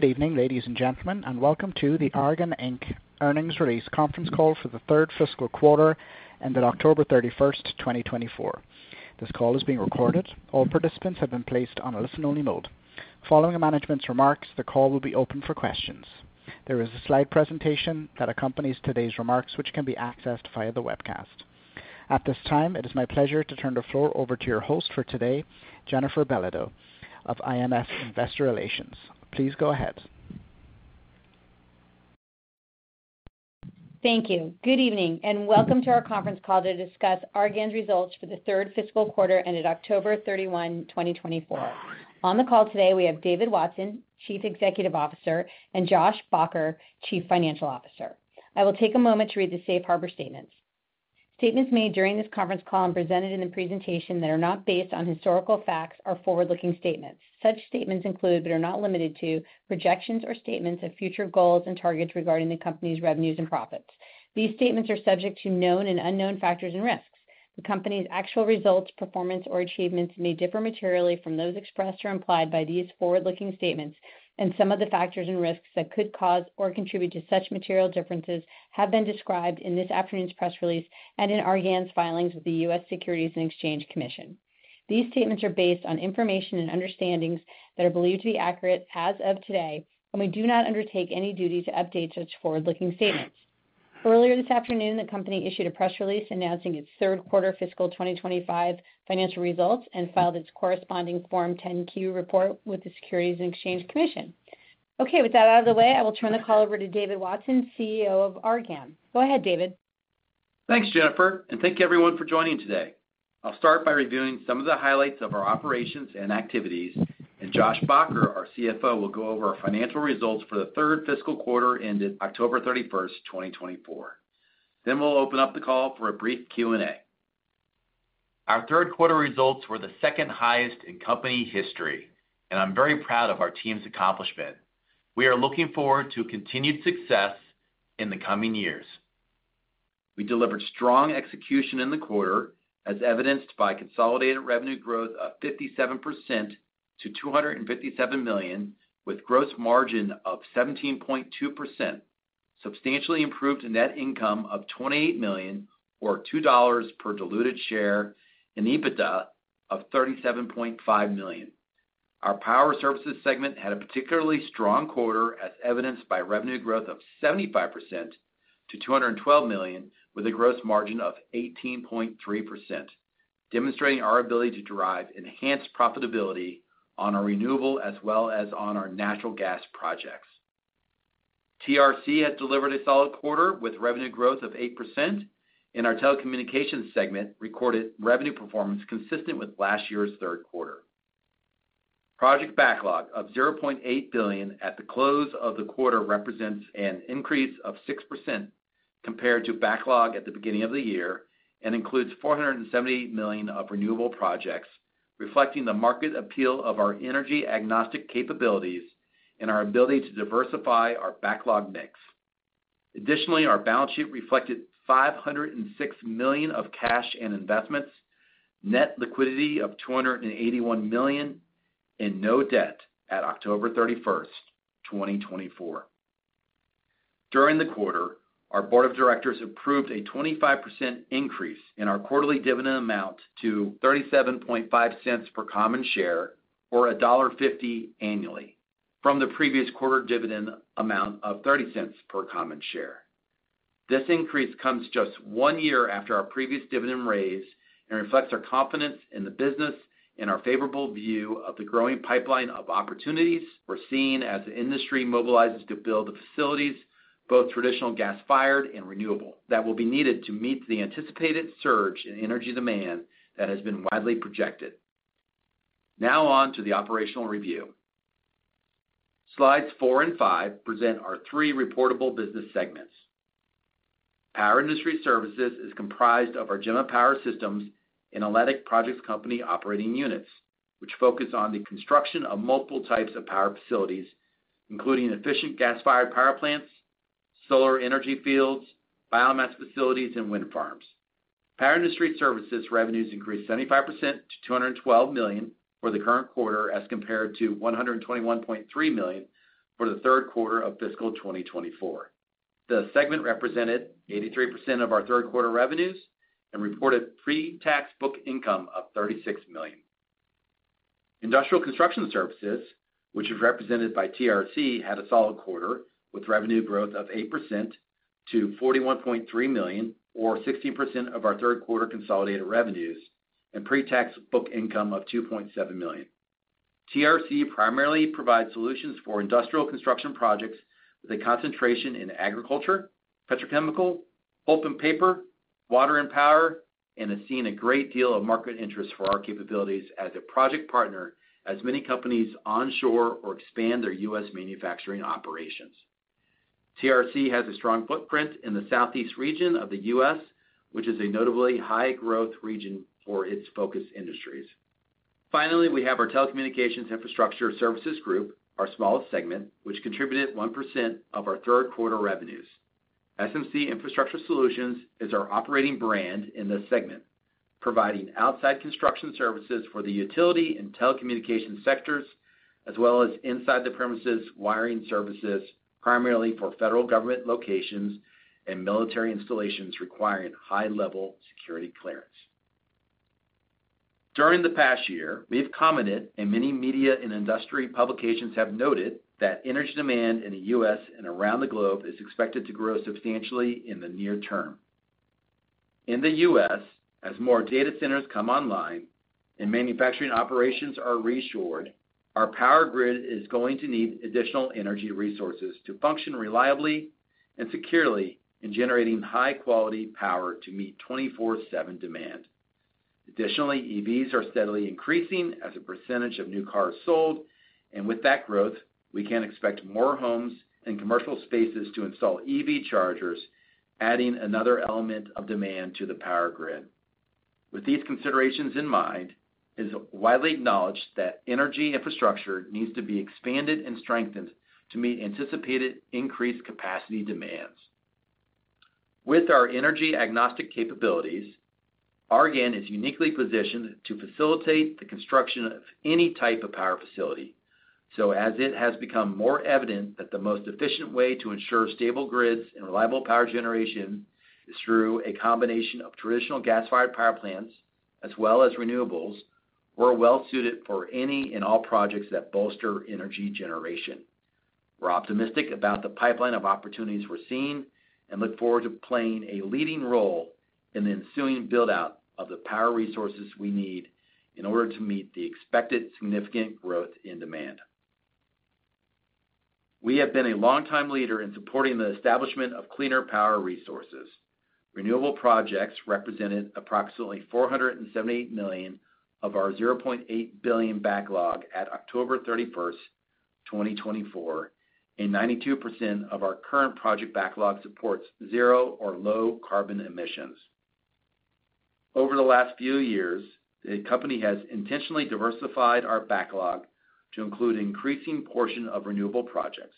Good evening, ladies and gentlemen, and welcome to the Argan, Inc. earnings release conference call for the third fiscal quarter ended October 31st, 2024. This call is being recorded. All participants have been placed on a listen-only mode. Following the management's remarks, the call will be open for questions. There is a slide presentation that accompanies today's remarks, which can be accessed via the webcast. At this time, it is my pleasure to turn the floor over to your host for today, Jennifer Belodeau of The Equity Group Inc. Please go ahead. Thank you. Good evening, and welcome to our conference call to discuss Argan's results for the third fiscal quarter ended October 31, 2024. On the call today, we have David Watson, Chief Executive Officer, and Josh Baugher, Chief Financial Officer. I will take a moment to read the Safe Harbor Statements. Statements made during this conference call and presented in the presentation that are not based on historical facts are forward-looking statements. Such statements include, but are not limited to, projections or statements of future goals and targets regarding the company's revenues and profits. These statements are subject to known and unknown factors and risks. The company's actual results, performance, or achievements may differ materially from those expressed or implied by these forward-looking statements, and some of the factors and risks that could cause or contribute to such material differences have been described in this afternoon's press release and in Argan's filings with the U.S. Securities and Exchange Commission. These statements are based on information and understandings that are believed to be accurate as of today, and we do not undertake any duty to update such forward-looking statements. Earlier this afternoon, the company issued a press release announcing its third-quarter fiscal 2025 financial results and filed its corresponding Form 10-Q report with the Securities and Exchange Commission. Okay, with that out of the way, I will turn the call over to David Watson, CEO of Argan. Go ahead, David. Thanks, Jennifer, and thank you, everyone, for joining today. I'll start by reviewing some of the highlights of our operations and activities, and Josh Baugher, our CFO, will go over our financial results for the third fiscal quarter ended October 31st, 2024. Then we'll open up the call for a brief Q&A. Our third-quarter results were the second highest in company history, and I'm very proud of our team's accomplishment. We are looking forward to continued success in the coming years. We delivered strong execution in the quarter, as evidenced by consolidated revenue growth of 57% to $257 million, with gross margin of 17.2%, substantially improved net income of $28 million, or $2 per diluted share, and EBITDA of $37.5 million. Our power services segment had a particularly strong quarter, as evidenced by revenue growth of 75% to $212 million, with a gross margin of 18.3%, demonstrating our ability to drive enhanced profitability on our renewable as well as on our natural gas projects. TRC has delivered a solid quarter with revenue growth of 8%, and our telecommunications segment recorded revenue performance consistent with last year's third quarter. Project backlog of $0.8 billion at the close of the quarter represents an increase of 6% compared to backlog at the beginning of the year and includes $478 million of renewable projects, reflecting the market appeal of our energy-agnostic capabilities and our ability to diversify our backlog mix. Additionally, our balance sheet reflected $506 million of cash and investments, net liquidity of $281 million, and no debt at October 31st, 2024. During the quarter, our board of directors approved a 25% increase in our quarterly dividend amount to $0.375 per common share, or $1.50 annually, from the previous quarter dividend amount of $0.30 per common share. This increase comes just one year after our previous dividend raise and reflects our confidence in the business and our favorable view of the growing pipeline of opportunities we're seeing as the industry mobilizes to build the facilities, both traditional gas-fired and renewable, that will be needed to meet the anticipated surge in energy demand that has been widely projected. Now on to the operational review. Slides four and five present our three reportable business segments. Power Industry Services is comprised of Gemma Power Systems and Atlantic Projects Company operating units, which focus on the construction of multiple types of power facilities, including efficient gas-fired power plants, solar energy fields, biomass facilities, and wind farms. Power Industry Services revenues increased 75% to $212 million for the current quarter, as compared to $121.3 million for the third quarter of fiscal 2024. The segment represented 83% of our third-quarter revenues and reported pre-tax book income of $36 million. Industrial Construction Services, which is represented by TRC, had a solid quarter with revenue growth of 8% to $41.3 million, or 16% of our third-quarter consolidated revenues, and pre-tax book income of $2.7 million. TRC primarily provides solutions for industrial construction projects with a concentration in agriculture, petrochemical, pulp and paper, water, and power, and has seen a great deal of market interest for our capabilities as a project partner as many companies onshore or expand their U.S. manufacturing operations. TRC has a strong footprint in the Southeast region of the U.S., which is a notably high-growth region for its focus industries. Finally, we have our Telecommunications Infrastructure Services Group, our smallest segment, which contributed 1% of our third-quarter revenues. SMC Infrastructure Solutions is our operating brand in this segment, providing outside construction services for the utility and telecommunications sectors, as well as inside premises wiring services, primarily for federal government locations and military installations requiring high-level security clearance. During the past year, we've commented, and many media and industry publications have noted that energy demand in the U.S. and around the globe is expected to grow substantially in the near term. In the U.S., as more data centers come online and manufacturing operations are reshored, our power grid is going to need additional energy resources to function reliably and securely in generating high-quality power to meet 24/7 demand. Additionally, EVs are steadily increasing as a percentage of new cars sold, and with that growth, we can expect more homes and commercial spaces to install EV chargers, adding another element of demand to the power grid. With these considerations in mind, it is widely acknowledged that energy infrastructure needs to be expanded and strengthened to meet anticipated increased capacity demands. With our energy-agnostic capabilities, Argan is uniquely positioned to facilitate the construction of any type of power facility. So, as it has become more evident that the most efficient way to ensure stable grids and reliable power generation is through a combination of traditional gas-fired power plants as well as renewables, we're well-suited for any and all projects that bolster energy generation. We're optimistic about the pipeline of opportunities we're seeing and look forward to playing a leading role in the ensuing build-out of the power resources we need in order to meet the expected significant growth in demand. We have been a longtime leader in supporting the establishment of cleaner power resources. Renewable projects represented approximately $478 million of our $0.8 billion backlog at October 31st, 2024, and 92% of our current project backlog supports zero or low carbon emissions. Over the last few years, the company has intentionally diversified our backlog to include an increasing portion of renewable projects.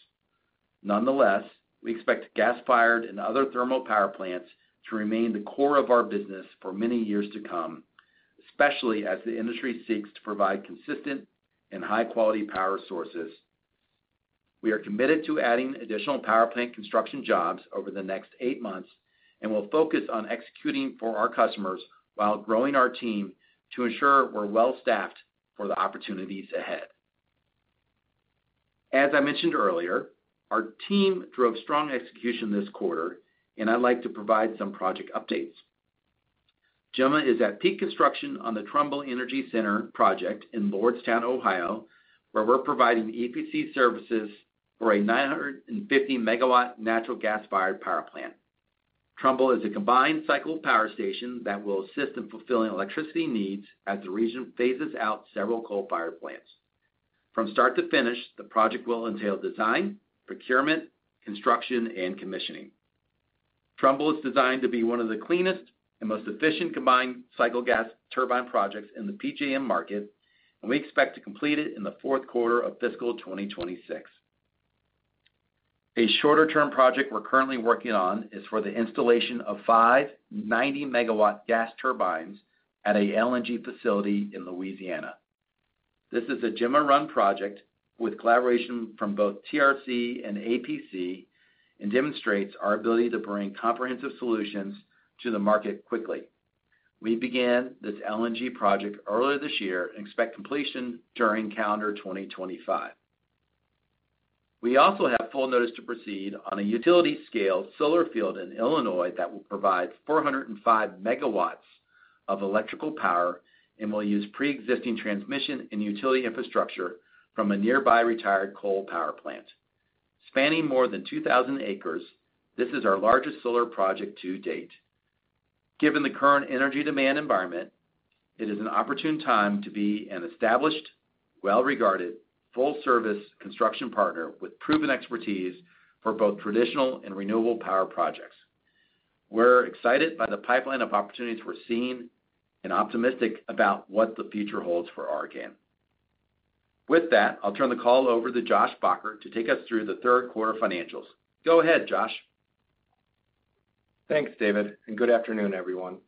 Nonetheless, we expect gas-fired and other thermal power plants to remain the core of our business for many years to come, especially as the industry seeks to provide consistent and high-quality power sources. We are committed to adding additional power plant construction jobs over the next eight months and will focus on executing for our customers while growing our team to ensure we're well-staffed for the opportunities ahead. As I mentioned earlier, our team drove strong execution this quarter, and I'd like to provide some project updates. Gemma is at peak construction on the Trumbull Energy Center project in Lordstown, Ohio, where we're providing EPC services for a 950-megawatt natural gas-fired power plant. Trumbull is a combined cycle power station that will assist in fulfilling electricity needs as the region phases out several coal-fired plants. From start to finish, the project will entail design, procurement, construction, and commissioning. Trumbull is designed to be one of the cleanest and most efficient combined cycle gas turbine projects in the PJM market, and we expect to complete it in the fourth quarter of fiscal 2026. A shorter-term project we're currently working on is for the installation of five 90 megawatt gas turbines at an LNG facility in Louisiana. This is a Gemma-run project with collaboration from both TRC and APC and demonstrates our ability to bring comprehensive solutions to the market quickly. We began this LNG project earlier this year and expect completion during calendar 2025. We also have full notice to proceed on a utility-scale solar field in Illinois that will provide 405 megawatts of electrical power and will use pre-existing transmission and utility infrastructure from a nearby retired coal power plant. Spanning more than 2,000 acres, this is our largest solar project to date. Given the current energy demand environment, it is an opportune time to be an established, well-regarded, full-service construction partner with proven expertise for both traditional and renewable power projects. We're excited by the pipeline of opportunities we're seeing and optimistic about what the future holds for Argan. With that, I'll turn the call over to Josh Baugher to take us through the third-quarter financials. Go ahead, Josh. Thanks, David, and good afternoon, everyone.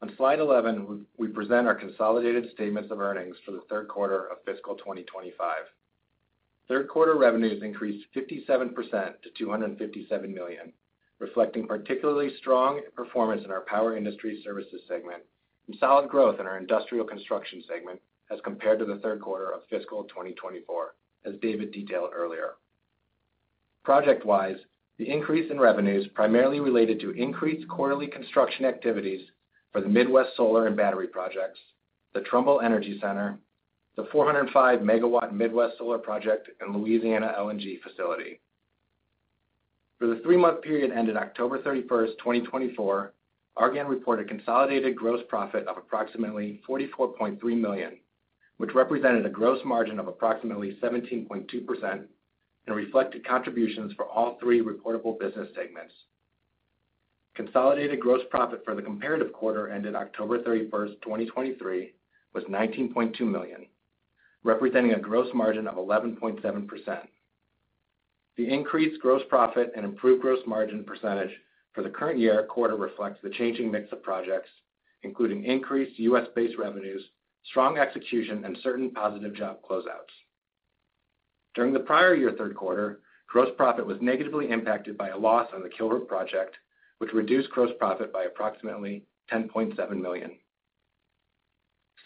On slide 11, we present our consolidated statements of earnings for the third quarter of fiscal 2025. Third-quarter revenues increased 57% to $257 million, reflecting particularly strong performance in our power industry services segment and solid growth in our industrial construction segment as compared to the third quarter of fiscal 2024, as David detailed earlier. Project-wise, the increase in revenues primarily related to increased quarterly construction activities for the Midwest solar and battery projects, the Trumbull Energy Center, the 405-megawatt Midwest solar project, and Louisiana LNG facility. For the three-month period ended October 31st, 2024, Argan reported consolidated gross profit of approximately $44.3 million, which represented a gross margin of approximately 17.2% and reflected contributions for all three reportable business segments. Consolidated gross profit for the comparative quarter ended October 31st, 2023, was $19.2 million, representing a gross margin of 11.7%. The increased gross profit and improved gross margin percentage for the current year quarter reflects the changing mix of projects, including increased U.S.-based revenues, strong execution, and certain positive job closeouts. During the prior year third quarter, gross profit was negatively impacted by a loss on the Kilroot project, which reduced gross profit by approximately $10.7 million.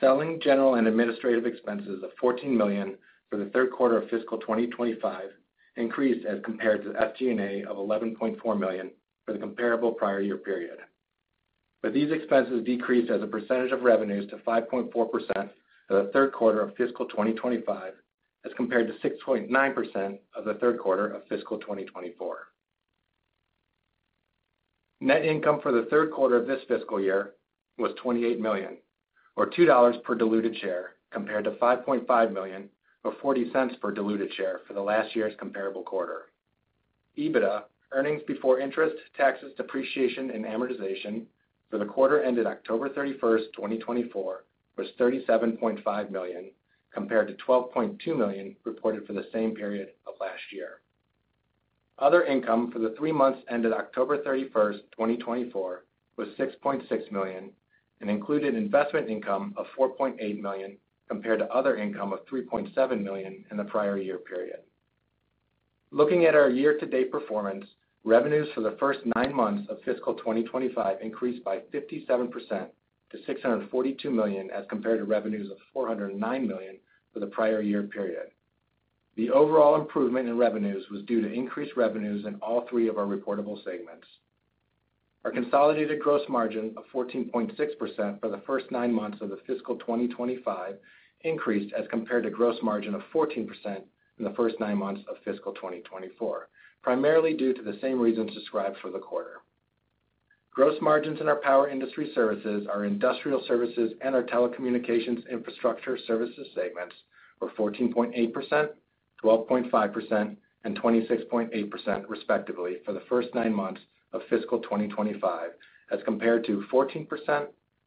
Selling general and administrative expenses of $14 million for the third quarter of fiscal 2025 increased as compared to the SG&A of $11.4 million for the comparable prior year period, but these expenses decreased as a percentage of revenues to 5.4% for the third quarter of fiscal 2025 as compared to 6.9% of the third quarter of fiscal 2024. Net income for the third quarter of this fiscal year was $28 million, or $2 per diluted share, compared to $5.5 million, or $0.40 per diluted share for the last year's comparable quarter. EBITDA, earnings before interest, taxes, depreciation, and amortization for the quarter ended October 31st, 2024, was $37.5 million compared to $12.2 million reported for the same period of last year. Other income for the three months ended October 31st, 2024, was $6.6 million and included investment income of $4.8 million compared to other income of $3.7 million in the prior year period. Looking at our year-to-date performance, revenues for the first nine months of fiscal 2025 increased by 57% to $642 million as compared to revenues of $409 million for the prior year period. The overall improvement in revenues was due to increased revenues in all three of our reportable segments. Our consolidated gross margin of 14.6% for the first nine months of the fiscal 2025 increased as compared to gross margin of 14% in the first nine months of fiscal 2024, primarily due to the same reasons described for the quarter. Gross margins in our power industry services, our industrial services, and our telecommunications infrastructure services segments were 14.8%, 12.5%, and 26.8%, respectively, for the first nine months of fiscal 2025 as compared to 14%,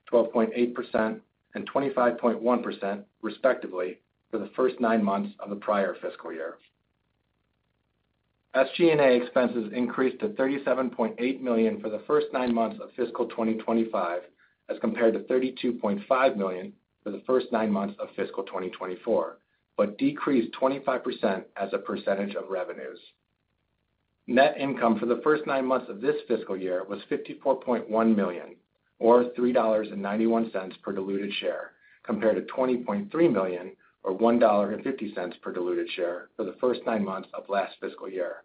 12.8%, and 25.1%, respectively, for the first nine months of the prior fiscal year. SG&A expenses increased to $37.8 million for the first nine months of fiscal 2025 as compared to $32.5 million for the first nine months of fiscal 2024, but decreased 25% as a percentage of revenues. Net income for the first nine months of this fiscal year was $54.1 million, or $3.91 per diluted share, compared to $20.3 million, or $1.50 per diluted share for the first nine months of last fiscal year.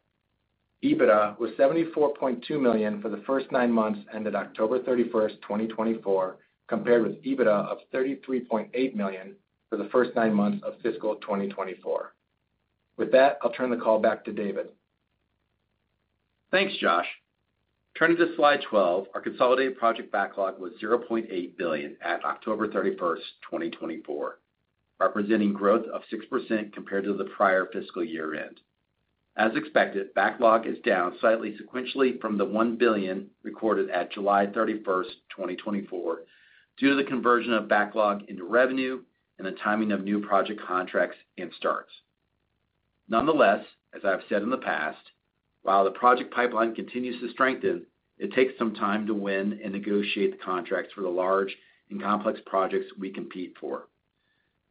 EBITDA was $74.2 million for the first nine months ended October 31st, 2024, compared with EBITDA of $33.8 million for the first nine months of fiscal 2024. With that, I'll turn the call back to David. Thanks, Josh. Turning to slide 12, our consolidated project backlog was $0.8 billion at October 31st, 2024, representing growth of 6% compared to the prior fiscal year end. As expected, backlog is down slightly sequentially from the $1 billion recorded at July 31st, 2024, due to the conversion of backlog into revenue and the timing of new project contracts and starts. Nonetheless, as I've said in the past, while the project pipeline continues to strengthen, it takes some time to win and negotiate the contracts for the large and complex projects we compete for.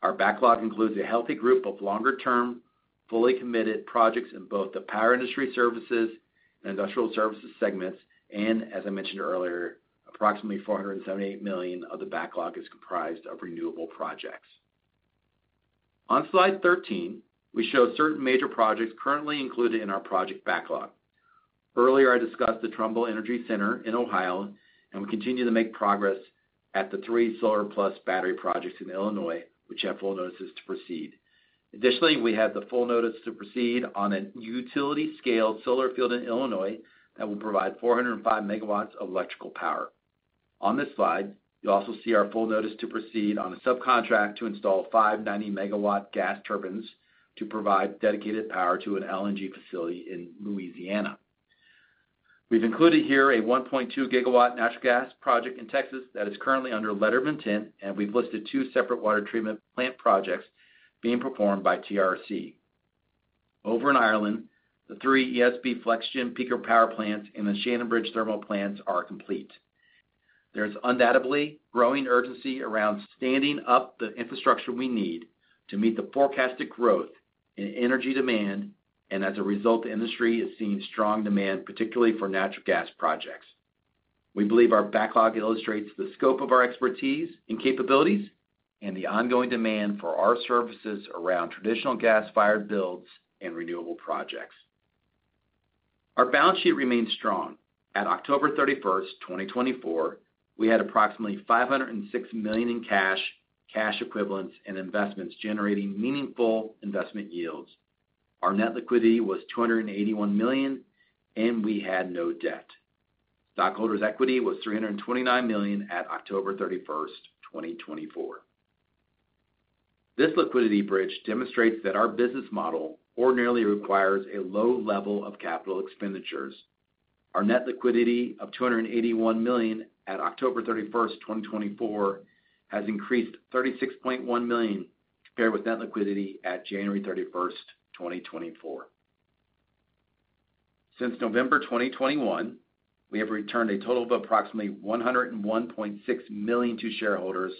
Our backlog includes a healthy group of longer-term, fully committed projects in both the power industry services and industrial services segments, and, as I mentioned earlier, approximately $478 million of the backlog is comprised of renewable projects. On slide 13, we show certain major projects currently included in our project backlog. Earlier, I discussed the Trumbull Energy Center in Ohio, and we continue to make progress at the three solar plus battery projects in Illinois, which have full notices to proceed. Additionally, we have the full notice to proceed on a utility-scale solar field in Illinois that will provide 405 megawatts of electrical power. On this slide, you'll also see our full notice to proceed on a subcontract to install five 90-megawatt gas turbines to provide dedicated power to an LNG facility in Louisiana. We've included here a 1.2-gigawatt natural gas project in Texas that is currently under letter of intent, and we've listed two separate water treatment plant projects being performed by TRC. Over in Ireland, the three ESB FlexGen peaker power plants and the Shannonbridge thermal plants are complete. There's undoubtedly growing urgency around standing up the infrastructure we need to meet the forecasted growth in energy demand, and as a result, the industry is seeing strong demand, particularly for natural gas projects. We believe our backlog illustrates the scope of our expertise and capabilities and the ongoing demand for our services around traditional gas-fired builds and renewable projects. Our balance sheet remains strong. At October 31st, 2024, we had approximately $506 million in cash, cash equivalents, and investments generating meaningful investment yields. Our net liquidity was $281 million, and we had no debt. Stockholders' equity was $329 million at October 31st, 2024. This liquidity bridge demonstrates that our business model ordinarily requires a low level of capital expenditures. Our net liquidity of $281 million at October 31st, 2024, has increased $36.1 million compared with net liquidity at January 31st, 2024. Since November 2021, we have returned a total of approximately $101.6 million to shareholders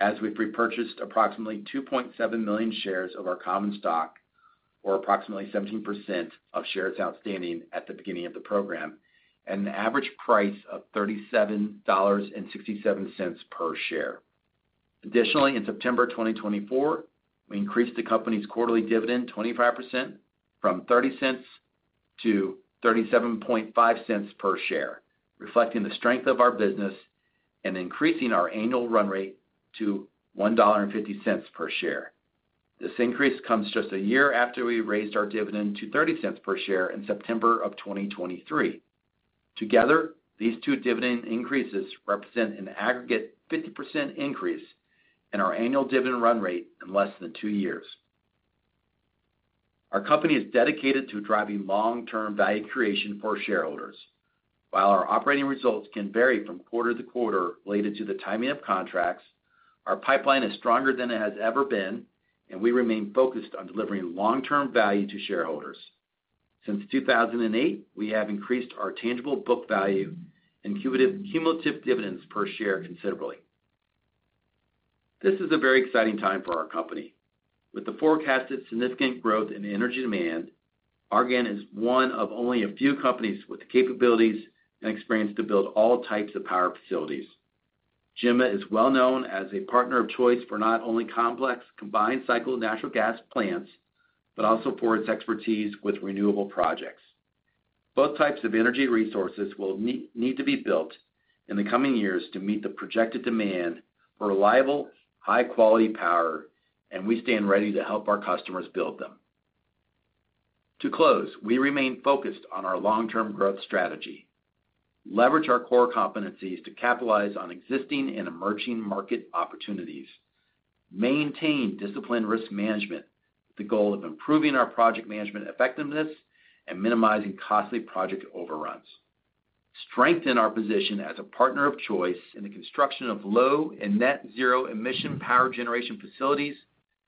as we've repurchased approximately 2.7 million shares of our common stock, or approximately 17% of shares outstanding at the beginning of the program, at an average price of $37.67 per share. Additionally, in September 2024, we increased the company's quarterly dividend 25% from $0.30 to $0.375 per share, reflecting the strength of our business and increasing our annual run rate to $1.50 per share. This increase comes just a year after we raised our dividend to $0.30 per share in September of 2023. Together, these two dividend increases represent an aggregate 50% increase in our annual dividend run rate in less than two years. Our company is dedicated to driving long-term value creation for shareholders. While our operating results can vary from quarter to quarter related to the timing of contracts, our pipeline is stronger than it has ever been, and we remain focused on delivering long-term value to shareholders. Since 2008, we have increased our tangible book value and cumulative dividends per share considerably. This is a very exciting time for our company. With the forecasted significant growth in energy demand, Argan is one of only a few companies with the capabilities and experience to build all types of power facilities. Gemma is well known as a partner of choice for not only complex combined cycle natural gas plants, but also for its expertise with renewable projects. Both types of energy resources will need to be built in the coming years to meet the projected demand for reliable, high-quality power, and we stand ready to help our customers build them. To close, we remain focused on our long-term growth strategy. Leverage our core competencies to capitalize on existing and emerging market opportunities. Maintain disciplined risk management with the goal of improving our project management effectiveness and minimizing costly project overruns. Strengthen our position as a partner of choice in the construction of low and net-zero emission power generation facilities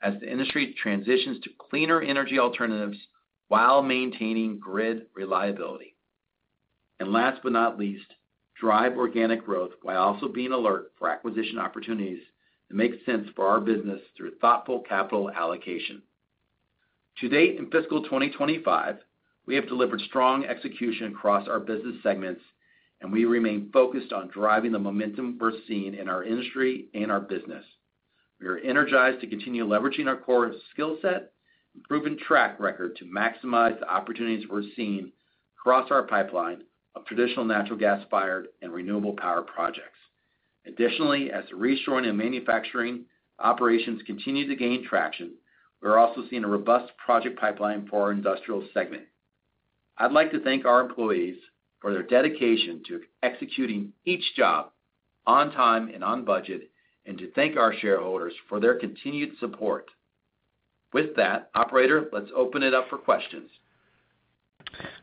as the industry transitions to cleaner energy alternatives while maintaining grid reliability, and last but not least, drive organic growth while also being alert for acquisition opportunities that make sense for our business through thoughtful capital allocation. To date in fiscal 2025, we have delivered strong execution across our business segments, and we remain focused on driving the momentum we're seeing in our industry and our business. We are energized to continue leveraging our core skill set and proven track record to maximize the opportunities we're seeing across our pipeline of traditional natural gas-fired and renewable power projects. Additionally, as the reshoring and manufacturing operations continue to gain traction, we're also seeing a robust project pipeline for our industrial segment. I'd like to thank our employees for their dedication to executing each job on time and on budget, and to thank our shareholders for their continued support. With that, operator, let's open it up for questions.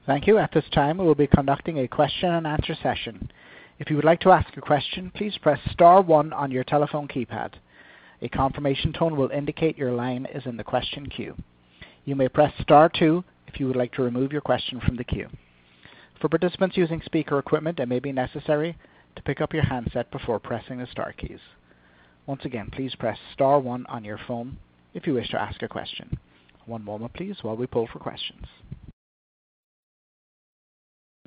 Thank you. At this time, we will be conducting a question-and-answer session. If you would like to ask a question, please press Star one on your telephone keypad. A confirmation tone will indicate your line is in the question queue. You may press Star two if you would like to remove your question from the queue. For participants using speaker equipment, it may be necessary to pick up your handset before pressing the Star keys. Once again, please press Star one on your phone if you wish to ask a question. One moment, please, while we pull for questions.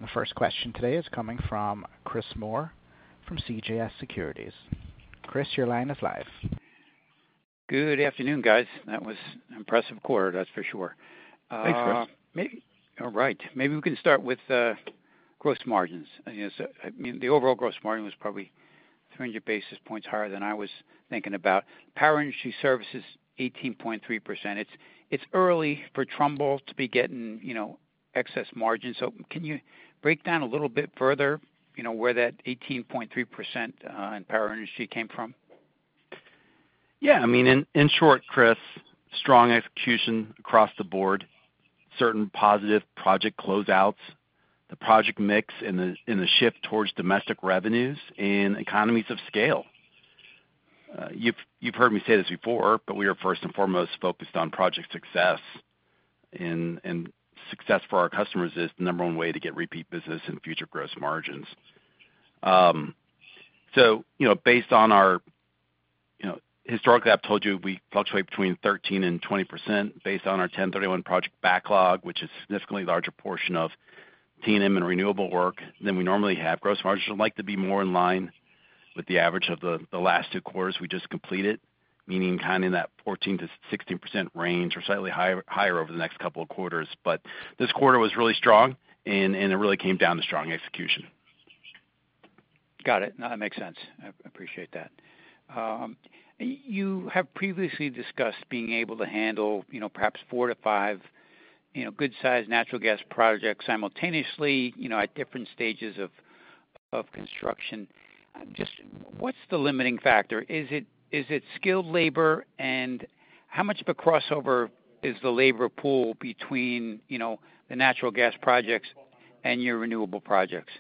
The first question today is coming from Chris Moore from CJS Securities. Chris, your line is live. Good afternoon, guys. That was impressive quarter, that's for sure. Thanks, Chris. All right. Maybe we can start with gross margins. I mean, the overall gross margin was probably 300 basis points higher than I was thinking about. Power industry services, 18.3%. It's early for Trumbull to be getting excess margin. So can you break down a little bit further where that 18.3% in power industry came from? Yeah. I mean, in short, Chris, strong execution across the board, certain positive project closeouts, the project mix, and the shift towards domestic revenues and economies of scale. You've heard me say this before, but we are first and foremost focused on project success. And success for our customers is the number one way to get repeat business and future gross margins. So based on our historically, I've told you we fluctuate between 13%-20% based on our 10/31 project backlog, which is a significantly larger portion of T&M and renewable work than we normally have. Gross margins would like to be more in line with the average of the last two quarters we just completed, meaning kind of in that 14%-16% range or slightly higher over the next couple of quarters. But this quarter was really strong, and it really came down to strong execution. Got it. No, that makes sense. I appreciate that. You have previously discussed being able to handle perhaps four to five good-sized natural gas projects simultaneously at different stages of construction. Just what's the limiting factor? Is it skilled labor, and how much of a crossover is the labor pool between the natural gas projects and your renewable projects?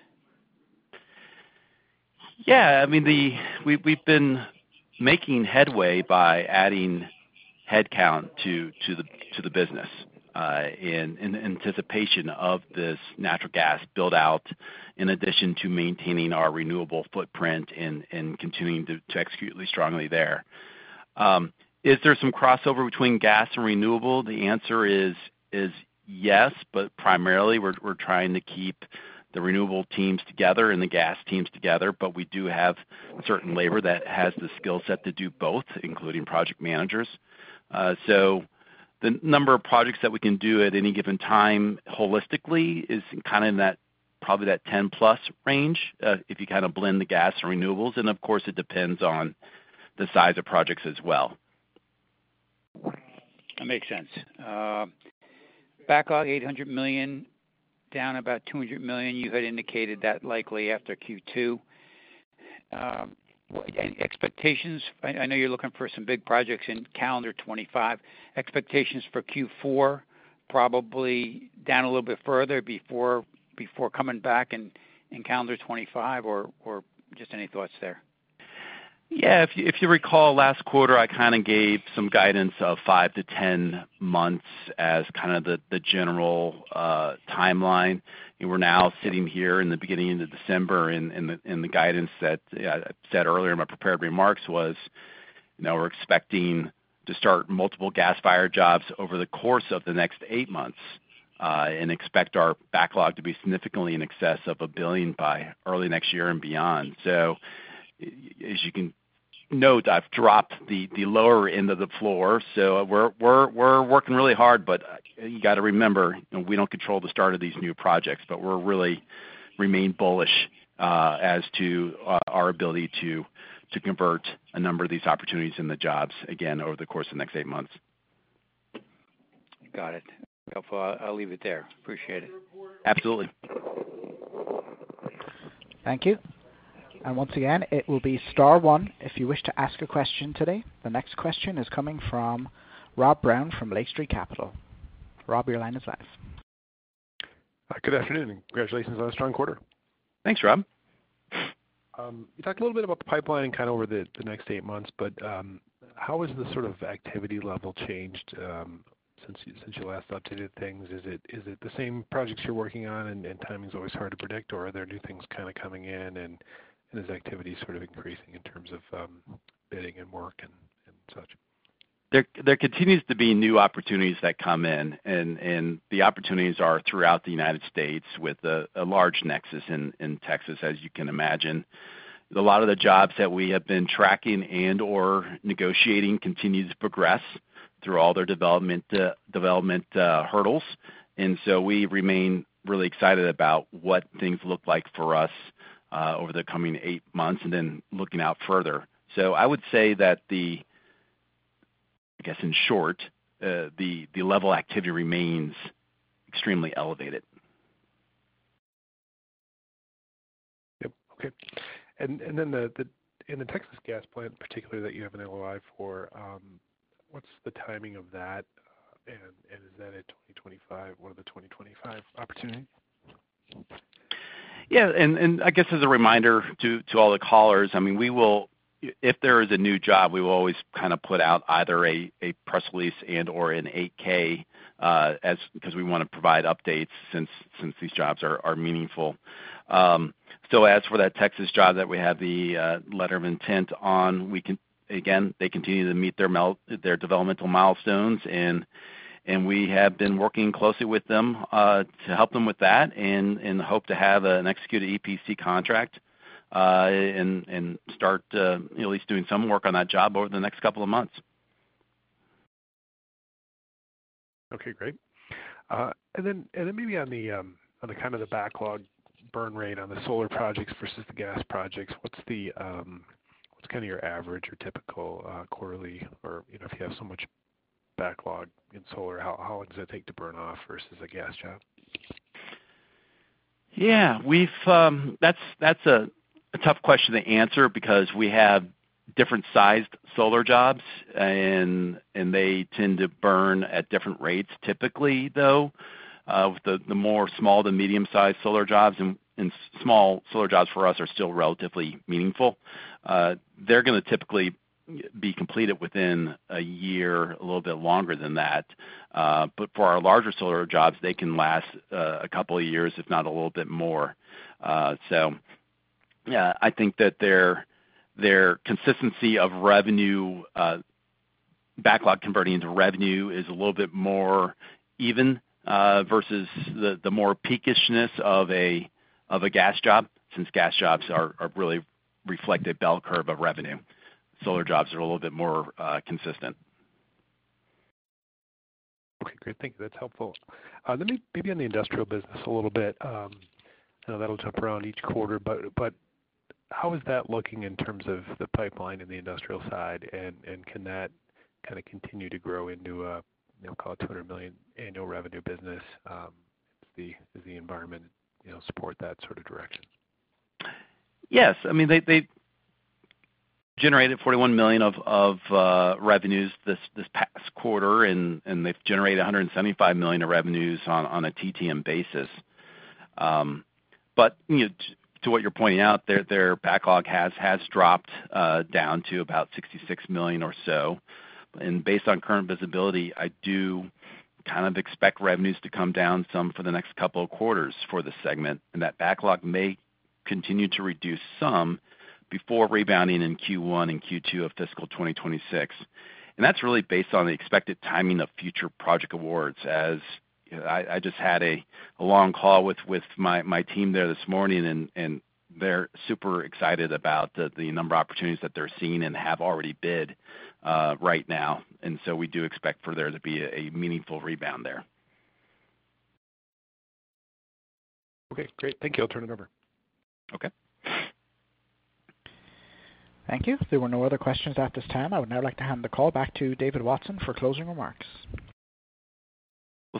Yeah. I mean, we've been making headway by adding headcount to the business in anticipation of this natural gas buildout in addition to maintaining our renewable footprint and continuing to execute really strongly there. Is there some crossover between gas and renewable? The answer is yes, but primarily, we're trying to keep the renewable teams together and the gas teams together. But we do have certain labor that has the skill set to do both, including project managers. So the number of projects that we can do at any given time holistically is kind of probably that 10-plus range if you kind of blend the gas and renewables. And of course, it depends on the size of projects as well. That makes sense. Backlog $800 million, down about $200 million. You had indicated that likely after Q2. Expectations? I know you're looking for some big projects in calendar 2025. Expectations for Q4, probably down a little bit further before coming back in calendar 2025, or just any thoughts there? Yeah. If you recall, last quarter, I kind of gave some guidance of 5 to 10 months as kind of the general timeline. We're now sitting here in the beginning of December, and the guidance that I said earlier in my prepared remarks was we're expecting to start multiple gas-fired jobs over the course of the next eight months and expect our backlog to be significantly in excess of a billion by early next year and beyond. So as you can note, I've dropped the lower end of the floor. So we're working really hard, but you got to remember, we don't control the start of these new projects, but we're really remaining bullish as to our ability to convert a number of these opportunities in the jobs again over the course of the next eight months. Got it. I'll leave it there. Appreciate it. Absolutely. Thank you. And once again, it will be Star one if you wish to ask a question today. The next question is coming from Rob Brown from Lake Street Capital Markets. Rob, your line is live. Good afternoon, and congratulations on a strong quarter. Thanks, Rob. You talked a little bit about the pipeline and kind of over the next eight months, but how has the sort of activity level changed since you last updated things? Is it the same projects you're working on, and timing's always hard to predict, or are there new things kind of coming in, and is activity sort of increasing in terms of bidding and work and such? There continues to be new opportunities that come in, and the opportunities are throughout the United States with a large nexus in Texas, as you can imagine. A lot of the jobs that we have been tracking and/or negotiating continue to progress through all their development hurdles. And so we remain really excited about what things look like for us over the coming eight months and then looking out further. So I would say that, I guess in short, the level of activity remains extremely elevated. Yep. Okay. And then in the Texas gas plant particularly that you have an LOI for, what's the timing of that? And is that a 2025, one of the 2025 opportunities? Yeah. And I guess as a reminder to all the callers, I mean, if there is a new job, we will always kind of put out either a press release and/or an 8-K because we want to provide updates since these jobs are meaningful. So as for that Texas job that we have the letter of intent on, again, they continue to meet their developmental milestones, and we have been working closely with them to help them with that and hope to have an executed EPC contract and start at least doing some work on that job over the next couple of months. Okay. Great. And then maybe on kind of the backlog burn rate on the solar projects versus the gas projects, what's kind of your average, your typical quarterly? Or if you have so much backlog in solar, how long does it take to burn off versus a gas job? Yeah. That's a tough question to answer because we have different-sized solar jobs, and they tend to burn at different rates. Typically, though, the more small to medium-sized solar jobs and small solar jobs for us are still relatively meaningful. They're going to typically be completed within a year, a little bit longer than that. But for our larger solar jobs, they can last a couple of years, if not a little bit more. So yeah, I think that their consistency of revenue, backlog converting into revenue, is a little bit more even versus the more peakishness of a gas job since gas jobs really reflect a bell curve of revenue. Solar jobs are a little bit more consistent. Okay. Great. Thank you. That's helpful. Maybe on the industrial business a little bit. I know that'll jump around each quarter, but how is that looking in terms of the pipeline in the industrial side, and can that kind of continue to grow into a, call it, $200 million annual revenue business if the environment supports that sort of direction? Yes. I mean, they generated $41 million of revenues this past quarter, and they've generated $175 million of revenues on a TTM basis. But to what you're pointing out, their backlog has dropped down to about $66 million or so. And based on current visibility, I do kind of expect revenues to come down some for the next couple of quarters for the segment. And that backlog may continue to reduce some before rebounding in Q1 and Q2 of fiscal 2026. And that's really based on the expected timing of future project awards. I just had a long call with my team there this morning, and they're super excited about the number of opportunities that they're seeing and have already bid right now. And so we do expect for there to be a meaningful rebound there. Okay. Great. Thank you. I'll turn it over. Okay. Thank you. There were no other questions at this time. I would now like to hand the call back to David Watson for closing remarks.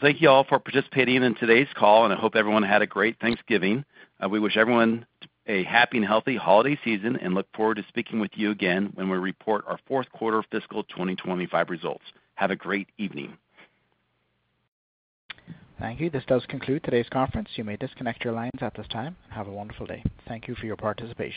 Thank you all for participating in today's call, and I hope everyone had a great Thanksgiving. We wish everyone a happy and healthy holiday season and look forward to speaking with you again when we report our fourth quarter fiscal 2025 results. Have a great evening. Thank you. This does conclude today's conference. You may disconnect your lines at this time and have a wonderful day. Thank you for your participation.